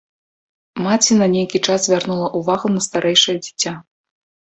Маці на нейкі час звярнула ўвагу на старэйшае дзіця.